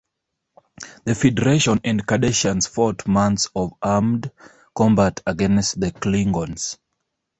The Federation and Cardassians fought months of armed combat against the Klingons.